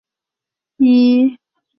当然也有其它定义和衡量标准。